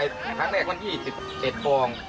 ใครครั้งแรกมาที่๑๗โปร่ง